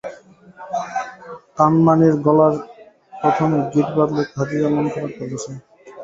কানমাণির গলায় প্রথমে গিট বাঁধলে খাদিজা মন খারাপ করবে, স্যার।